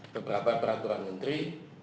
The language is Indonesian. beberapa peraturan menteri